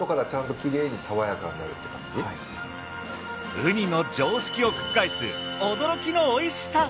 ウニの常識を覆す驚きのおいしさ。